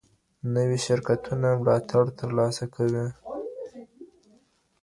نوي شرکتونه ملاتړ تر لاسه کوي.